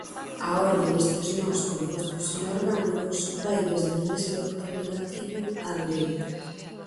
A orde destes nos compostos inorgánicos vai desde o máis electronegativo á dereita.